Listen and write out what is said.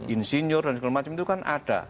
insinyur dan segala macam itu kan ada